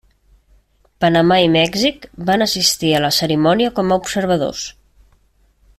Panamà i Mèxic van assistir a la cerimònia com a observadors.